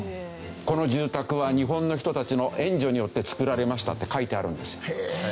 この住宅は日本の人たちの援助によって造られましたって書いてあるんですよ。